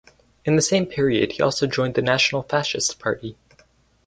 In the same period he also joined the National Fascist Party.